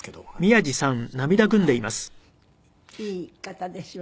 いい方ですよね。